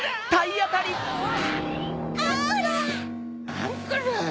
アンコラ！